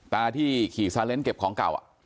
ตาที่ขี่ซาเล้งเก็บของเก่า